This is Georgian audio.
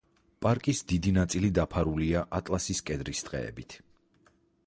პარკის დიდი ნაწილი დაფარულია ატლასის კედრის ტყეებით.